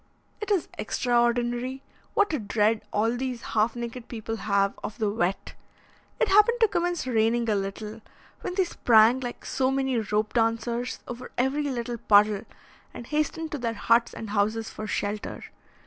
It is extraordinary what a dread all these half naked people have of the wet. It happened to commence raining a little, when they sprang like so many rope dancers over every little puddle, and hastened to their huts and houses for shelter.